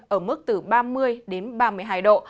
ở mức từ ba mươi ba mươi hai độ